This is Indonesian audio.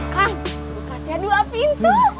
kang kulkasnya dua pintu